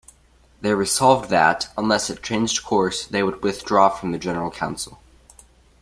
They resolved that, unless it changed course, they would withdraw from the General Council.